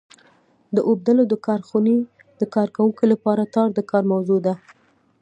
د اوبدلو د کارخونې د کارکوونکو لپاره تار د کار موضوع ده.